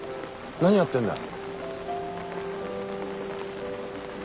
何やってんだよ。